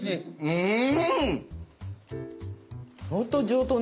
うん！